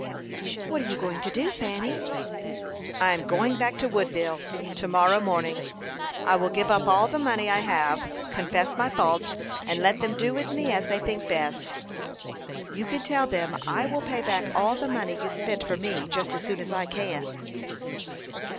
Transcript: "What are you going to do, Fanny?" "I am going back to Woodville to morrow morning. I will give up all the money I have, confess my fault, and let them do with me as they think best." "You can tell them I will pay back all the money you spent for me, just as soon as I can."